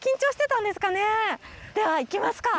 ではいきますか！